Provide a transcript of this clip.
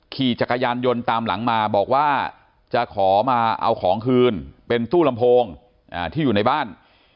ขี่จักรยานยนต์ตามหลังมาบอกว่าจะขอมาเอาของคืนเป็นตู้ลำโพงที่อยู่ในบ้าน